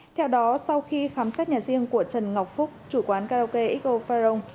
theo đó sau khi khám xét nhà riêng của trần ngọc phúc chủ quán karaoke xo pharoah